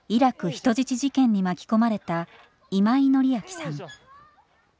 人質事件」に巻き込まれた今井紀明さん。